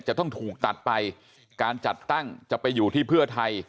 จะต้องถูกตัดไปการจัดตั้งจะไปอยู่ที่เพื่อไทย